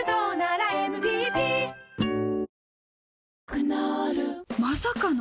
クノールまさかの！？